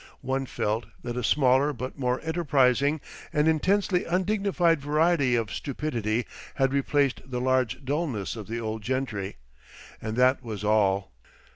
One felt that a smaller but more enterprising and intensely undignified variety of stupidity had replaced the large dullness of the old gentry, and that was all.